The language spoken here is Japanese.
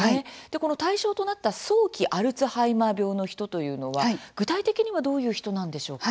この対象となった早期アルツハイマー病の人というのは具体的にはどういう人なんでしょうか？